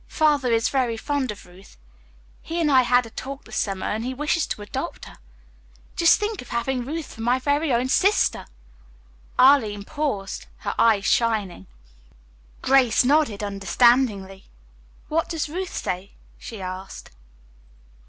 Father is very fond of Ruth. He and I had a talk this summer, and he wishes to adopt her. Just think of having Ruth for my very own sister!" Arline paused, her eyes shining. Grace nodded understandingly. "What does Ruth say?" she asked.